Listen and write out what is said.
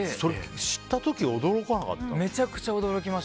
知った時、驚かなかった？